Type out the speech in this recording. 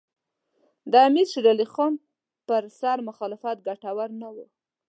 د امیر شېر علي خان پر سر مخالفت ګټور نه وو.